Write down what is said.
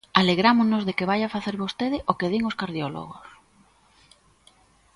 ¡Alegrámonos de que vaia facer vostede o que din os cardiólogos!